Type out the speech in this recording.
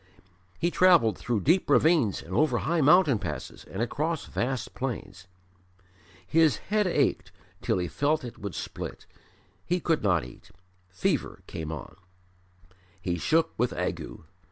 He travelled through deep ravines and over high mountain passes and across vast plains. His head ached till he felt it would split; he could not eat; fever came on. He shook with ague.